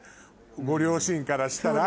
ご両親からしたら。